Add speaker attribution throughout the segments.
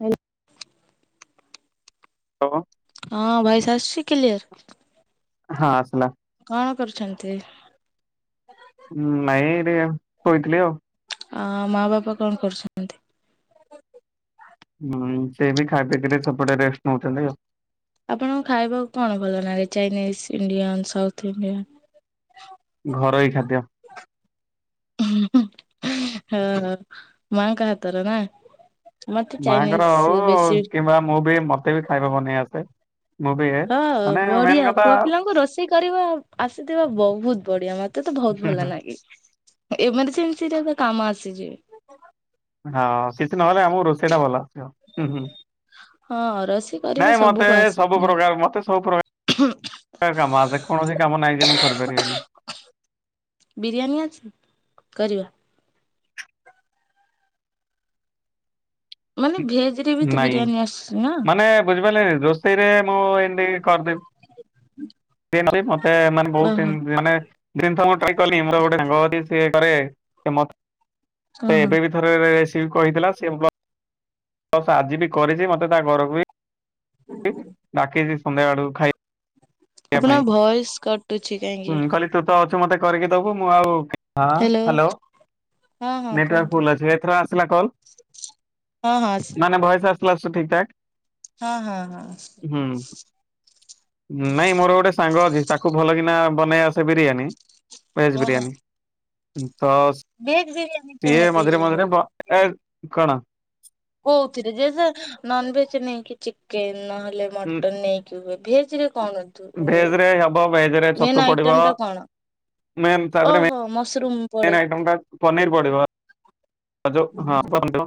Speaker 1: ହେଇ
Speaker 2: [unintelligible]
Speaker 1: ହଁ, ଭାଇସ ଆସୁଛି କ୍ଲିୟର।
Speaker 2: ହଁ, ଆସିଲା।
Speaker 1: କଣ କରୁଛନ୍ତି?
Speaker 2: ନାଇଁ, ଟିକେ ଶୋଇଥିଲି ଆଉ।
Speaker 1: ଆ ମା ବାପା କଣ କରୁଛନ୍ତି?
Speaker 2: ହୁଁ, ସେ ବି ଖାଇ ପିଇକରି ସେପଟେ ରେଷ୍ଟ ନଉଛନ୍ତି ଆଉ।
Speaker 1: ଆପଣଙ୍କୁ ଖାଇବାକୁ କଣ ଭଲ ଲାଗେ? Chinese Indian south Indian.
Speaker 2: ଘରୋଇ ଖାଦ୍ୟ।
Speaker 1: [inaudible] ହୁଁ ହଁ, ମାଙ୍କ ହାତର ନା? ମତେ ଚାଇନିଜ
Speaker 2: ମାଙ୍କର ହଉ
Speaker 1: ବେଶୀ
Speaker 2: କିମ୍ବା ମୁଁ ବି ମତେ ବି ଖାଇବା ବନେଇ ଆସେ। ମୁଁ ବି ଏ
Speaker 1: ହଁ,
Speaker 2: ମାନେ ମେନ୍
Speaker 1: ବଢିଆ
Speaker 2: କଥା
Speaker 1: ପୁଅ ପିଲାଙ୍କୁ ରୋଷେଇ କରିବା ଆସିଥିବା ବହୁତ ବଢିଆ। ମତେ ମତେ ତ ବହୁତ
Speaker 2: ହୁଁ ହୁଁ
Speaker 1: ଭଲ ଲାଗେ, ଏମରଜେନ୍ସିରେ କାମ ଆସିଚି।
Speaker 2: ହଁ, କିଛି ନହେଲେ ଆମକୁ ରୋଷେଇ ଟା ଭଲ ଆସିବ, ହୁଁ ହୁଁ।
Speaker 1: ହଁ ରୋଷେଇ କରିବା
Speaker 2: ନାଇଁ ମତେ
Speaker 1: ସବୁକୁ ଆସେ।
Speaker 2: ସବୁ ପ୍ରକାର, ମତେ ସବୁ ପ୍ରକାର କାମ ଆସେ, କୌଣସି କାମ ନାହିଁ ଯେ ମୁଁ କରିପାରିବିନି।
Speaker 1: ବିରିୟାନୀ ଅଛି? ଯିବା। ମାନ ଭେଜ ରେ ବି ତ
Speaker 2: ନାଇଁ
Speaker 1: ବିରିୟାନୀ ଆସ
Speaker 2: ମାନେ ବୁଝିପାରିଲେ, ରୋଷେଇରେ ମୁଁ ଏମିତି କରି ସେ ମତେ ମାନେ
Speaker 1: ଓହୋ
Speaker 2: ବୋହୁତ ମାନେ ଜିନିଷ ମୁଁ କଲି ମୋର ଗୋଟେ ସାଙ୍ଗ ଅଛି ସେ କରେ ଘରେ
Speaker 1: ହଁ ହଁ।
Speaker 2: [unintelligible] ସେ ବ୍ଲ ଆଜି ବି କରିଚି, ମତେ ତା ଘରକୁ ବି ଡାକିଚି ସନ୍ଧ୍ୟାବେଳକୁ ଖାଇ
Speaker 1: ଆପଣ ଭଏସ କଟୁଚି କାହିଁକି।
Speaker 2: ହୁଁ କହିଲି ତୁ ତ ଅଛୁ ମତେ କରିକି ଦବୁ, ମୁଁ ଆଉ ହଁ, ହ୍ୟାଲୋ
Speaker 1: ହଁ ହଁ
Speaker 2: ନେଟୱାର୍କ
Speaker 1: କୁହନ୍ତୁ
Speaker 2: ଫୁଲ୍ ଅଛି ଏଥର ଆସିଲା କଲ୍।
Speaker 1: ହଁ।
Speaker 2: କ୍ଲାସର ଠିକଠାକ।
Speaker 1: ହଁ ହଁ ହଁ।
Speaker 2: ନାଇଁ ମୋର ଗୋଟେ ସାଙ୍ଗ ଅଛି, ତାକୁ ଭଲ କିିନା ବନେଇ ଆସେ ବିରିୟାନୀ ଭେଜ
Speaker 1: ଓହୋ
Speaker 2: ବିରିୟାନୀ। ପ୍ତଶ
Speaker 1: ଭେଜ ଵିରିୟାନୀ।
Speaker 2: ସିଏ ମଝିରେ ମଝିରେ ବ ଏ କଣ?
Speaker 1: କୋଉଥିରେ ଯେ ସେ ନନଭେଜ ନେଇକି ଚିକେନ ନହେଲେ। ମଟନ ନେଇକି ହୁଏ ଭେଜ ରେ କରନ୍ତୁ ହୁଏ।
Speaker 2: କୋଉ ଭେଜରେ
Speaker 1: ମେନ୍
Speaker 2: ଛତୁ
Speaker 1: ଆଇଟମ
Speaker 2: ପଡିବ,
Speaker 1: ଟା କଣ
Speaker 2: ମେନ ତାଦେହରେ ମେନ
Speaker 1: [unintelligible]
Speaker 2: ମେନ ଆଇଟମଟା ପନୀର୍ ପଡ଼ିବ। ହଁ ଯୋଉ ହଁ କୁହନ୍ତୁ,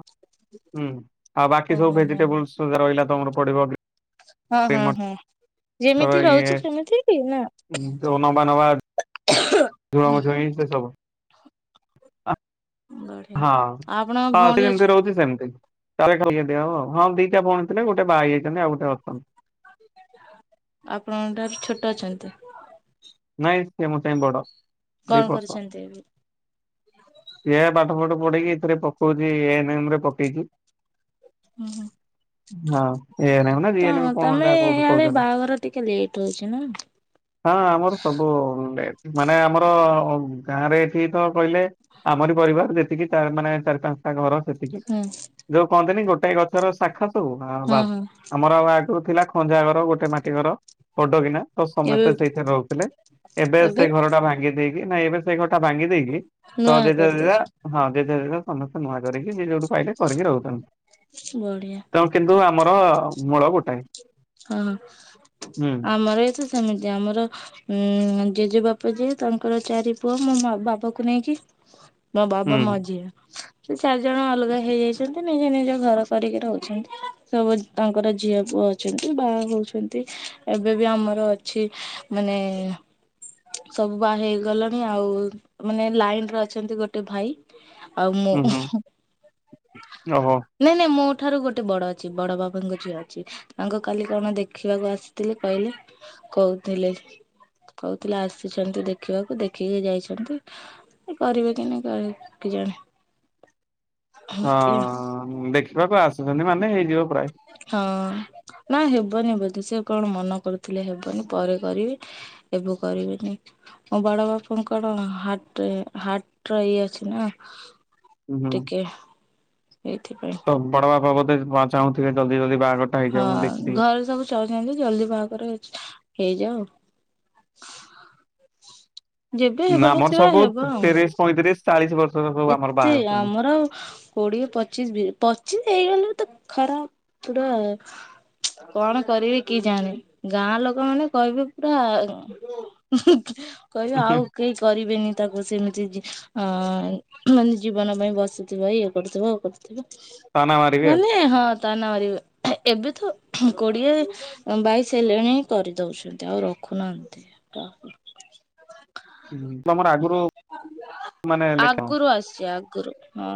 Speaker 2: ହୁଁ ଆଉ ବାକି ସବୁ
Speaker 1: ଓହୋ ହଁ ହଁ।
Speaker 2: ଭେଜିଟେବୁଲସ ରହିଲା ତମର ପଡିବ
Speaker 1: ହଁ
Speaker 2: ଗ୍ରୀନ
Speaker 1: ହଁ, ହଁ
Speaker 2: ମଟର
Speaker 1: ଯେମିତି
Speaker 2: ଇଏ
Speaker 1: ରହୁଛି ସେମିତି କି ନା ଆଃହଁ।
Speaker 2: ଝୁଅ ସେଇଁ ସବୁ।
Speaker 1: ବଢିଆ।
Speaker 2: ହଁ,
Speaker 1: ଆପଣଙ୍କ
Speaker 2: ହଁ
Speaker 1: ଭଉଣୀ
Speaker 2: ସେ ଯେମିତି
Speaker 1: ଅଛି
Speaker 2: ରହୁଚି ସେମତି। ତାହେଲେ [unintelligible] ହଁ ଦିଟା ଭଉଣୀ ଥିଲେ ଗୋଟେ ବାହାହେଇ ଯାଇଛନ୍ତି ଆଉ ଗୋଟେ ଅଛନ
Speaker 1: ଆପଣଙ୍କ ଠାରୁ ଛୋଟ ଅଛନ୍ତି?
Speaker 2: ନାଇଁ ସେ ମୋ ଠୁ ବଡ
Speaker 1: କଣ
Speaker 2: ଦୁଇ ବର୍ଷ।
Speaker 1: କରିଛନ୍ତି ଏବେ?
Speaker 2: ଏହା ପାଠ ଫାଠ ପଢେଇକି ଏଥିରେ ପକୋଉଚି ଏ ନ ଏମ ରେ ପକେଇଚି।
Speaker 1: ହୁଁ।
Speaker 2: ହଁ ଏ ଏନ୍ ଏମ୍ ନା ଜି ଏନ୍ ଏମ୍
Speaker 1: ତମର
Speaker 2: କଣ
Speaker 1: ତମେ
Speaker 2: ହେଟା କୋଉଠି
Speaker 1: ଇଆଡେ
Speaker 2: କହୁଛନ୍ତି
Speaker 1: ବାହାଘର ଟିକେ ଲେଟ୍ ହୋଉଚି ନା।
Speaker 2: ହଁ ଆମର ସବୁ ଲେଟ, ମାନେ ଆମର ଗାଁରେ ଏଠି ତ କହିଲେ। ଆମରି ପରିବାର ଯେତିକି ଚା ମାନେ ଚାରି ପାଞ୍ଚଟା ଘର ସେତିକି।
Speaker 1: ହୁଁ।
Speaker 2: ଯୋଉ କହନ୍ତିନି ଗୋଟେ ଗଛର ଶାଖା ସବୁ ହଁ ବାସ ଆମର ଆଠୁ ଥିଲା। ଖଞ୍ଜା ଘର ଗୋଟେ ମାଟି ଘର ବଡ କିିନା ତ
Speaker 1: ଏବେ
Speaker 2: ସମସ୍ତେ ସେଇଠାରେ ରହୁଥିଲେ। ଏବେ ସେ ଘର ଟା ଭାଙ୍ଗି ଦେଇେଇକି, ନାଇ ଏବେ ସେଇ ଘର ଟା ଭାଙ୍ଗି ଦେଇକି ତ
Speaker 1: ନୂଆ
Speaker 2: ଯେଝା
Speaker 1: କରିଦେଇଛ
Speaker 2: ଯେଝା ହଁ, ଯେ ଯାହାର ଯେଝା ସମସ୍ତେ ନୂଆ କରିକି, ଯିଏ ଯୋଉଠୁ ପାଇଲେ କରିକି ରହୁଚନ୍ତି।
Speaker 1: ବଢିଆ।
Speaker 2: ଏଣୁ କିନ୍ତୁ ଆମର ମୂଳ ଗୋଟାଏ।
Speaker 1: ହଁ,
Speaker 2: ହୁଁ
Speaker 1: ଆମର ଏ ତ ସେମିତି ଆମର ହୁଁ, ଜେଜେବାପା ଯିଏ ତାଙ୍କର ଚାରି ପୁଅ ମୋ ବାବାକୁ ନେଇକି। ମୋ
Speaker 2: ହୁଁ
Speaker 1: ବାବା ମାଝିଆ। ସେ ଚାରିଜଣ ଅଲଗା ହେଇଯାଇଛନ୍ତି, ନିଜେ ନିଜ ଘର କରିକି ରହୁଛନ୍ତି, ସବୁ ତାଙ୍କର ଝିଅ ପୁଅ ଅଛନ୍ତି। ଯେମିତି ବାହା ହୋଉଚନ୍ତି ଏବେ ବି ଆମର ଅଛି ମାନେ ସବୁ ବାହା ହେଇଗଲେଣି ଆଉ ମାନେ ଲାଇନରେ ଅଛନ୍ତି ଗୋଟେ ଭାଇ। ଆଉ ମୁଁ ହୁଁ
Speaker 2: ଓହୋ।
Speaker 1: ନାଇଁ ନାଇଁ ମୋ ଠାରୁ ଗୋଟେ ବଡ ଅଛି, ବଡ ବାବାଙ୍କ ଝିଅ ଅଛି। ତାଙ୍କୁ କାଲି କଣ ଦେଖିବାକୁ ଆସିଥିଲେ, କହିଲେ କହୁଥିଲେ। କହୁଥିଲେ ଆସିଛନ୍ତି ଦେଖିବାକୁ, ଦେଖିକି ଯାଇଛନ୍ତି। କରିବେ କି ନାଇ [unintelligible] କେଜାଣି। ଏମିତି
Speaker 2: ହଁ, ଦେଖିବାକୁ ଆସୁଛନ୍ତି ମାନେ ହେଇଯିବ ପ୍ରାୟ।
Speaker 1: ହଁ ନା ହେବନି ବୋଧେ? ସେ କଣ ମନା କରୁଥିଲେ, ହେବନି ପରେ କରିବେ। ଏବେ କରିବେନି। ମୋ ବଡ ବାପାଙ୍କର ହାର୍ଟରେ ହାର୍ଟ ର ଇଏ ଅଛି ନା।
Speaker 2: ହୁଁ।
Speaker 1: ଟିକେ, ସେଇଥିପାଇଁ।
Speaker 2: ହଁ, ବଡ ବାପା ବୋଧେ ଚାହୁଁଥିବେ, ଜଲଦି ଜଲଦି ବାହାଘର
Speaker 1: ହଁ ଘରେ ସବୁ ଚାହୁଛନ୍ତି, ଜଲଦି ବାହାଘର ହେଇ ହେଇଯାଉ। ଯେବେ
Speaker 2: ନା
Speaker 1: ହେବାର
Speaker 2: ଆମର
Speaker 1: ଥିବ
Speaker 2: ସବୁ
Speaker 1: ହେବ
Speaker 2: ତିରିଶ
Speaker 1: ଆଉ।
Speaker 2: ପଇଁତିରିଶ ଚାଳିଶ ବର୍ଷ
Speaker 1: ଏତେ ଆମର କୋଡିଏ ପଚିଶ ବି ପଚିଶ ହେଇଗଲେ ତ ଖରାପ ପୁଡ଼ା ଆଉ। କଣ କରିବି କି ଜାଣି, ଗାଁ ଲୋକମାନେ କହିବେ ପୁରା ହୁଁ କହିବେ ଆଉ କେହି କରିବେନି, ତାକୁ ସେମିତି ଜି ଅଁ ମାନେ ଜୀବନ ପାଇଁ, ବସିଥିବ ଇଏ କରୁଥିବ କରୁଥିବ।
Speaker 2: ତାନା ମାରିବେ ଆଉ
Speaker 1: ମାନେ ହଁ ତା ନାଁ [unintelligible] ଏବେ ତ କୋଡ଼ିଏ ବାଇଶ ହେଲେଣି କରିଦଉଛନ୍ତି, ଆଉ ରଖୁନାହାନ୍ତି କାହାକୁ?
Speaker 2: ହୁଁ ତୁ ଆମର ଆଗୁ
Speaker 1: ଆଗରୁ ଆସିଚି, ଆଗରୁ ହଁ।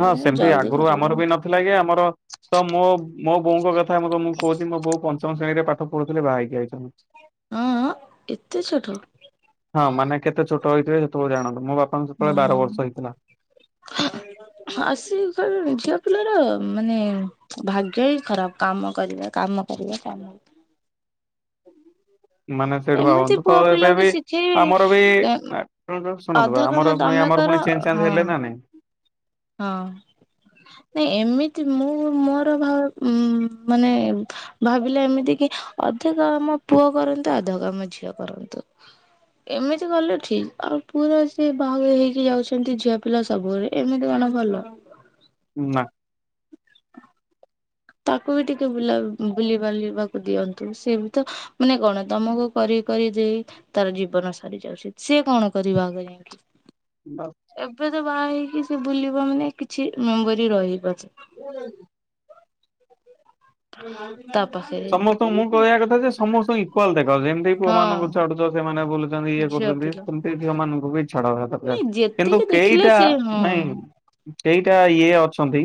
Speaker 2: ହଁ ସେମିତି
Speaker 1: ଜଲ୍ଦି
Speaker 2: ଆଗରୁ ଆମର
Speaker 1: କରିବେ।
Speaker 2: ବି ନ ଥି ସେଥିଲାଗି ଆମର ତ ମୋ ମୋ ବୋଉଙ୍କ କଥା ମୁଁ ତମକୁ କହୁଛି, ମୋ ବୋଉ ପଞ୍ଚମ ଶ୍ରେଣୀରେ ପା ଠ ପଢୁଥିଲେ, ବାହା ହେଇକି ଆଇଛନ୍ତି।
Speaker 1: ଆଁ - ଆଁ ଏତେ ଛୋଟ।
Speaker 2: ହଁ ମାନେ କେତେ ଛୋଟହେଇଥିବେ, ସେତେବେଳେ ଜାଣନ୍ତୁ। ମୋ ବା
Speaker 1: ହୁଁ। ଆସିକି ଘରୁ ଝିଅ ପିଲାର ମାନେ, ଭାଗ୍ୟ ହିଁ ଖରାପ କାମ କରିବେ କାମ। କରିିବ କାମ।
Speaker 2: ମାନେ ସେଇଠୁ
Speaker 1: ଏମିତି
Speaker 2: ଭାବନ୍ତୁ,
Speaker 1: ପୁଅ
Speaker 2: ତ ଏବେ
Speaker 1: ପିଲାକୁ
Speaker 2: ବି ଆମର ବି
Speaker 1: ଶିଖେଇବେ
Speaker 2: [unintelligible] ଶୁଣନ୍ତୁ ବା
Speaker 1: ଅଧା କାମ
Speaker 2: ଆମର ପୁଣି,
Speaker 1: ତମେ
Speaker 2: ଆମର
Speaker 1: କର
Speaker 2: ପୁଣି ଚେଞ୍ଜ ଚାଞ୍ଜ
Speaker 1: ହଁ
Speaker 2: ହେଲେ ନା ନାଇଁ।
Speaker 1: ହଁ ନାଇଁ ଏମିତି ମୁଁ ମୋର ଭା ମାନେ ଭାବିଲେ ଏମିତି କି, ଅଧେ କାମ ପୁଅ କରନ୍ତୁ, ଅଧେ କାମ ଝିଅ କରନ୍ତୁ। ଏମିତି କଲେ ଠିକ, ଆଉ ପୁରା ସେ ବାହା ହେଇକି ଯାଉଛନ୍ତି ଝିଅ ପିଲା ସବୁ କରିବେ। ଏମି ଇଏ କଣ ଭଲ?
Speaker 2: ନା।
Speaker 1: ତାକୁ ବି ଟିକେ ବୁଲା ବୁଲି ବାଲିବାକୁ ଦିଅନ୍ତୁ, ସିଏ ବି ତ ମାନେ କଣ ତମକୁ କରି କରି ଦେଇ ତାର ଜୀବନ ସରିଯାଉଛି। ସେ କଣ କରିବ ଆଗ ଯାଇକି।
Speaker 2: [unintelligible]
Speaker 1: ଏବେ ତ ବାହା ହେଇକି ସେ ବୁଲିବ ମାନେ, କିଛି ମେମୋରି ରହିବ ହୁଁ ତା ପାଖେ
Speaker 2: ସମସ୍ତଙ୍କୁ ମୁଁ କହିଆ କଥା ଯେ, ସମସ୍ତଙ୍କୁ ଇ କୁଆଲ ଦେଖ ଯେମିତି, ପୁଅ ମାନଙ୍କୁ
Speaker 1: ହଁ
Speaker 2: ଛାଡୁଛ ସେମାନେ ବୁଲୁଛନ୍ତି ଇଏ
Speaker 1: ଝିଅ
Speaker 2: କରୁଛନ୍ତି,
Speaker 1: ପିଲା
Speaker 2: ସେମିତି ଝିଅମାନଙ୍କୁ ବି ଛାଡିବା ଦରକାର।
Speaker 1: ନାଇଁ
Speaker 2: କିନ୍ତୁ
Speaker 1: ଯେତିକି ଦେଖିଲେ
Speaker 2: କେଇଟା
Speaker 1: ସେ ହଁ
Speaker 2: ନାଇଁ କେଇଟା ଇଏ ଅଛନ୍ତି,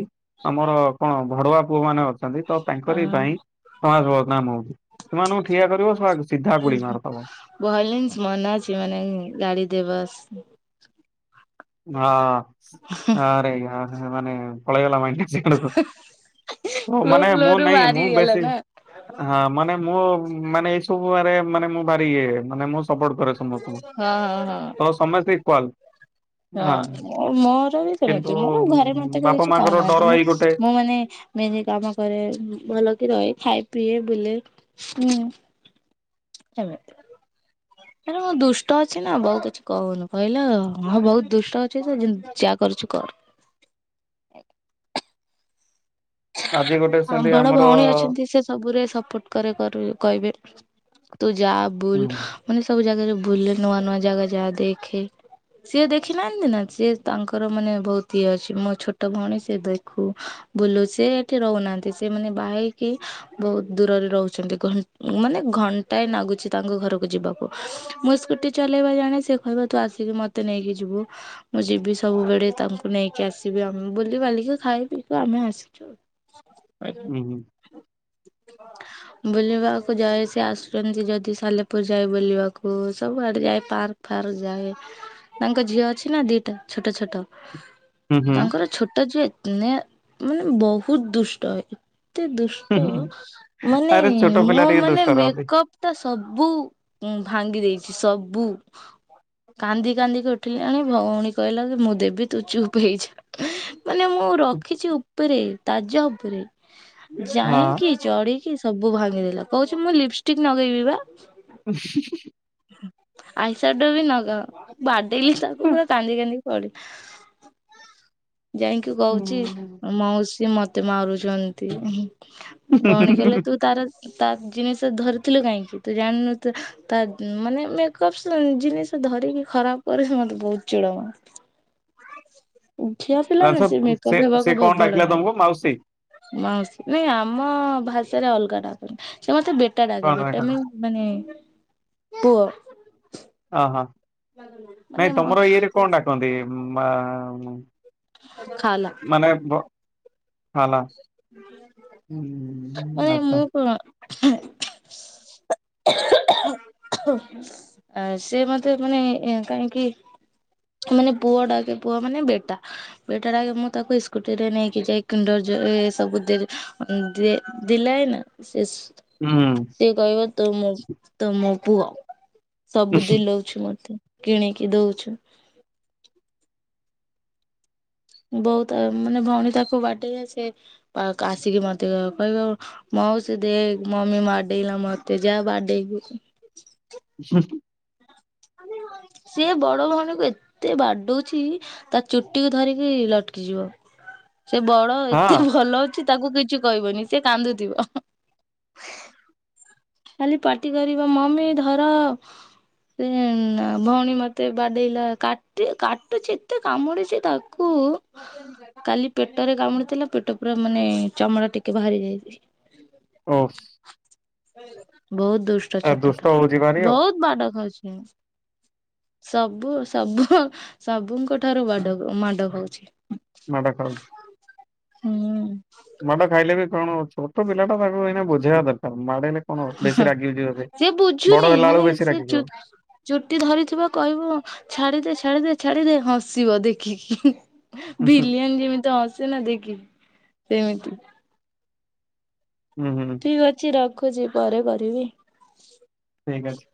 Speaker 2: ଆମର କଣ ଭଡୁଆ ପୁଅ ମାନେ ଅଛନ୍ତି ତ
Speaker 1: ଆ
Speaker 2: ତାଙ୍କରି ପାଇଁ ସମାଜ ବାଦନାମ ହଉଚି, ସେମାନଙ୍କୁ ଠିଆ କରିବ ଶଳା! ସିଧା ଗୁଳି ମାରିଦବ ହଁ
Speaker 1: ଭଲେସ ମନେ ଅଛି ମାନେ ଗାଳି ଦେବ ବାସ୍ [unintelligible]
Speaker 2: ହଁ- ହଁ ରେ ମାନେ ପଳେଇଗଲା ମାଇଣ୍ଡ [unintelligible]
Speaker 1: ଫ୍ଲୋ
Speaker 2: ମାନେ
Speaker 1: ଫ୍ଲୋ
Speaker 2: ମୁଁ
Speaker 1: ରୁ
Speaker 2: ନାଇଁ
Speaker 1: ବାହାରି
Speaker 2: ମୁଁ
Speaker 1: ଗଲା
Speaker 2: ବେସ୍
Speaker 1: ନା
Speaker 2: ହଁ ମାନେ ମୁଁ ମାନେ ଏଇ ସବୁରେ ମାନେ ମୁଁ ଭାରି ଇଏ। ମାନେ ମୁଁ ସପୋର୍ଟ କରେ। ସମସ୍ତଙ୍କୁ।
Speaker 1: ହଁ ହଁ ହଁ।
Speaker 2: ତ ସମସ୍ତେ ଇକ୍ୱାଲ।
Speaker 1: ହଁ ମୋର ବି
Speaker 2: କିନ୍ତୁ
Speaker 1: ସେମିତି। ମୋର ଘରେ ମତେ କେହି
Speaker 2: ବାପା
Speaker 1: କିଛି
Speaker 2: ମାଙ୍କର ଡର
Speaker 1: କହୁନାହାନ୍ତି।
Speaker 2: ଏଇ ଗୋଟେ
Speaker 1: ମୁଁ ମୁଁ ମାନେ ମେନ କାମ କରେ। ଭଲକି ରହେ, ଖାଏ, ପିଏ ବୁଲେ। ହୁଁ। [unintelligible] ହେଟା କଣ ଦୁଷ୍ଟ ଅଛି ନା ବୋଉ କିଛି କହୁନି। କହିଲା ହଁ ବହୁତ ଦୁଷ୍ଟ ଅଛି ସେ ଯାହା କରୁଚି କରୁ।
Speaker 2: ଆଜି ଗୋଟେ
Speaker 1: ହଁ
Speaker 2: ସେମିତି
Speaker 1: ବଡ
Speaker 2: ଆମର
Speaker 1: ଭଉଣୀ ଅଛନ୍ତି, ସେ ସବୁରେ ସପୋର୍ଟ କରେ କରୁ କହିବେ। ତୁ ଯା ବୁଲ୍
Speaker 2: ହୁଁ
Speaker 1: ମାନେ ସବୁ ଜାଗା ରେ ବୁଲ୍। ନୂଆ ନୂଆ ଜାଗା ଯା ଦେଖେ। ସିଏ ଦେଖିନାହାନ୍ତି ନା। ସିଏ ତାଙ୍କର ମାନେ ବହୁତ ଇଏ ଅଛି ମୋ ଛୋଟ ଭଉଣୀ ସିଏ ଦେଖୁ। ବୁଲୁ। ସେ ଏଠି ରହୁନାହାନ୍ତି, ସେମାନେ ବାହା ହେଇକି ବହୁତ ଦୂରରେ ରହୁଛନ୍ତି। ଘ ମାନେ ଘଣ୍ଟାଏ ନାଗୁଛି ତାଙ୍କ ଘରକୁ ଯିବାକୁ। ମୁଁ ସ୍କୁଟି ଚଲେଇବା ଜାଣେ। ସେ କହିବେ ତୁ ଆସିକି ମତେ ନେଇକି ଯିବୁ। ମୁଁ ଯିବି ସବୁବେଳେ ତାଙ୍କୁ ନେଇକି ଆସିବି। ଆମେ ବୁଲି ବାଲିକି ଖାଇ ପିଇକି ଆମେ ଆସିବୁ।
Speaker 2: ହୁଁ ହୁଁ।
Speaker 1: [unintelligible] ବୁଲିବାକୁ ଯାଏ। ସେ ଆସୁଛନ୍ତି ଯଦି ସାଲେପୁର ଯାଏ ବୁଲିବାକୁ। ସବୁଆଡେ ଯାଏ ପାର୍କ ଫାର୍କ ଯାଏ। ତାଙ୍କ ଝିଅ ଅଛି ନା ଦିଟା ଛୋଟ ଛୋଟ।
Speaker 2: ହୁଁ ହୁଁ
Speaker 1: ତାଙ୍କର ଛୋଟ ଝିଅ [unintelligible] ମାନେ ବହୁତ ଦୁଷ୍ଟ ଏତେ ଦୁ
Speaker 2: ହୁଁ
Speaker 1: ଷ୍ଟ,
Speaker 2: ହୁଁ
Speaker 1: ମାନେ
Speaker 2: ଆରେ ଛୋଟ ପିଲା
Speaker 1: ମୋ
Speaker 2: ଟିକେ
Speaker 1: ମାନେ
Speaker 2: ଦୁଷ୍ଟ ରହନ୍ତି।
Speaker 1: ମେକପ୍ ଟା ସବୁ ଭାଙ୍ଗି ଦେଇଚି, ସବୁ। କାନ୍ଦି କାନ୍ଦିକି ଉଠିଲାଣି। ଭଉଣୀ କହିଲା କି ମୁଁ ଦେବି ତୁ ଚୁପ୍ ହେଇଯା। ମାନେ ମୁଁ ରଖିଚି ଉପରେ ତାଜା ଉପରେ।
Speaker 2: ହଁ।
Speaker 1: ଯାଇଁକି ଚଢିକି ସବୁ ଭାଙ୍ଗିଦେଲା। କହୁଚି ମୁଁ ଲିପଷ୍ଟିକ ଲଗେଇବି ବା।
Speaker 2: [inaudible]
Speaker 1: ଆଇସାଡୋ ବି ନଗାଅ। ବାଡେଇଲି ତାକୁ ପୁରା କାନ୍ଦି କାନ୍ଦି [unintelligible] ଯାଇଁକି କହୁଚି ମାଉସୀ ମତେ ମାରୁଚନ୍ତି। ଭଉଣୀ କହିଲେ ତୁ ତାର ତା ଜିନିଷ ଧରିଥିଲୁ କାହିଁକି? ତୁ ଜାଣିନୁ ତୁ ତା ମାନେ ମେକଅପ୍ ଜିନିଷ ଧରିକି ଖରାପ କରିଚି। ସେ ମତେ ବହୁତ ଚିଡ଼ ମାଡେ। ଝିଅ ପିଲା ନା ସେ ମେକଅପ୍ ହେବାକୁ ଭଲ
Speaker 2: ପିଲା
Speaker 1: ଲାଗେ
Speaker 2: ତମକୁ ମାଉସୀ
Speaker 1: ମାଉସୀ ନାଇଁ ଆମ ଭାଷାରେ ଅଲଗା ଡାକ। ସେ ମତେ ବେଟା
Speaker 2: କଣ
Speaker 1: ଡାକେ। ବେଟା
Speaker 2: ଡାକନ୍ତି?
Speaker 1: ମିନ୍ ମାନେ ପୁଅ।
Speaker 2: ଅହୋ।
Speaker 1: ମାନେ
Speaker 2: ନାଇଁ ତମର ଇଆଡେ କଣ ଡାକନ୍ତି? ମା
Speaker 1: [unintelligible]
Speaker 2: ମାନେ ଭ। ହାଲୋ।
Speaker 1: ମାନେ
Speaker 2: ଆଚ୍ଛା
Speaker 1: ମୁଁ କଣ। [inaudible] ଆ ସିଏ ମତେ ମାନେ କାହିଁକି ମାନେ ପୁଅ ଡାକେ। ପୁଅ ମାନେ ବେଟା। ବେଟା ଡାକେ ମୁଁ ତାକୁ ସ୍କୁଟି ରେ ନେଇକି ଯାଇ କିଣ୍ଡର ଜଏ ତାକୁ ଦେ ଦିଏ ଦିଲାଏ ନା। ସେ
Speaker 2: ହୁଁ।
Speaker 1: ସିଏ କହିବ ତୁ ମୋ ତୁ ମୋ ପୁଅ। ସବୁ ଦିଲଉ ଉଚୁ ମତେ। କିଣିକି ଦଉଚୁ। ବହୁତ ମାନେ ଭଉଣୀ ତାକୁ ବାଡେଇ ସେ ଆସିକି ମତେ କହିବ ମାଉସୀ ଦେଖ ମମି ବାଡେଇଲା ମତେ ଯା ବାଡେଇବୁ।
Speaker 2: ହୁଁ ହୁଁ।
Speaker 1: ସିଏ ବଡ ଭଉଣୀ କୁ ଏତେ ବାଡଉଚି ତା ଚୁଟିକୁୁ ଧରିକି ଲଟକି ଯିବ। ସେ ବଡ
Speaker 2: ହଁ
Speaker 1: ଏତେ ଭଲ ଅଛି ତାକୁ କିଛି କହିବନି ସେ କାନ୍ଦୁଥିବ। ଖାଲି ପାଟି କରିବ ମମି ଧର। ଉମ୍ ଆଁ ଭଉଣୀ ମତେ ବାଡେଇଲା କାଟି କାଟୁଛି ଏତେ କାମୁଡିଛି ତା କୁ କାଲି ପେଟରେ କାମୁଡିଥିଲା ପେଟ ପୁରା ମାନେ ଚମଡ଼ା ଟିକେ ବାହାରି ଯାଇଛି।
Speaker 2: ଓଫ୍।
Speaker 1: ବହୁତ ଦୁଷ୍ଟ
Speaker 2: ଏ
Speaker 1: ଛୋଟ ଟା।
Speaker 2: ହଉଛି ଭାରି ଆଉ
Speaker 1: ବହୁତ ବାଡ ଖାଉଛି। ସବୁ ସବୁ ସବୁଙ୍କ ଠାରୁ ବାଡ ମାଡ ଖାଉଛି।
Speaker 2: ମାଡ ଖାଉଚି।
Speaker 1: ହୁଁ।
Speaker 2: ମାଡ ଖାଇଲେ ବି କଣ ଛୋଟ ପିଲାଟା ମାଡ କୁ ଏଇନା ବଝେଇବା ଦରକାର ମାଡ଼ ହେଲେ କଣ ହବ? ବେଶୀ ରାଗିଯିବ। ସେ
Speaker 1: ବୁଝୁନି
Speaker 2: ବଡ ହେଲା
Speaker 1: ମାନେ
Speaker 2: ବେଳକୁ ବେଶୀ
Speaker 1: ସେ ଚୁ
Speaker 2: ରାଗିଯିବ।
Speaker 1: ଚୁଟି ଧରିଥିବ କହିବ ଛାଡିଦେ ଛାଡିଦେ ଛାଡିଦେ ହଁସିବ ଦେଖିକି।
Speaker 2: ହୁଁ ହୁଁ
Speaker 1: ଭିଲିଆନ୍ ଯେମିତି ହସେ ନା ଦେଖିକି ସେମିତି।
Speaker 2: ହୁଁ ହୁଁ।
Speaker 1: ଠିକ୍ ଅଛି ରଖୁଛି ପରେ କରିବି।
Speaker 2: ଠିକ୍ ଅଛି।